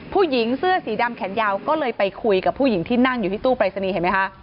ผู้หญิงเสื้อสีดำแขนยาวก็เลยไปคุยกับผู้หญิงที่นั่งอยู่ที่ตู้ปรายศนีย์เห็นไหมคะ